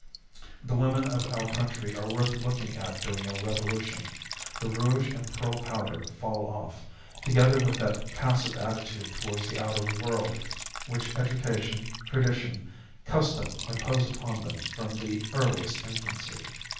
The women of our country are worth looking at during a revolution. The rouge and pearl powder fall off, together with that passive attitude towards the outer world which education, tradition, custom impose upon them from the earliest infancy.